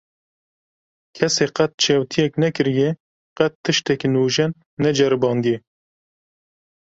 Kesê qet çewtiyek nekiriye, qet tiştekî nûjen neceribandiye.